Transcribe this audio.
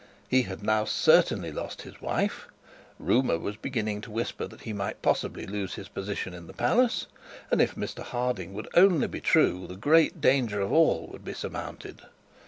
He had now certainly lost his wife; rumour was beginning to whisper that he might possibly lose his position in the palace; and if Mr Harding would only be true, the great danger of all would be surmounted.